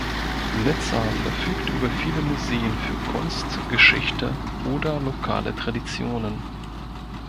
Nizza verfügt über viele Museen für Kunst, Geschichte oder lokale Traditionen.